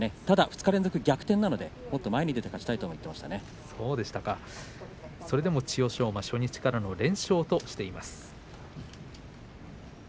ただ２日連続逆転なのでもっと前に出て勝ちたいともそれでも千代翔馬初日から連勝としています。